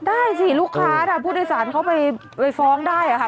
ได้สิลูกค้าถ้าผู้โดยสารเขาไปฟ้องได้ค่ะ